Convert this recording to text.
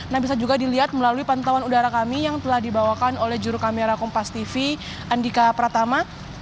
nah bisa juga dilihat melalui pantauan udara kami yang telah dibawakan oleh juru kamera kompas tv andika pratama